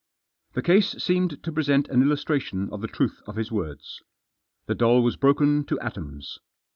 The case seemed to present an illustration of the truth of his words. The doll was broken to atoms.